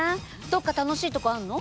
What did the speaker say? どっか楽しいとこあんの？